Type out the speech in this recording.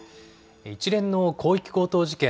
一連の広域強盗事件。